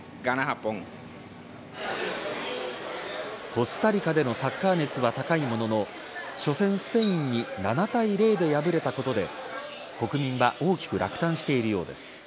コスタリカでのサッカー熱は高いものの初戦、スペインに７対０で敗れたことで国民は大きく落胆しているようです。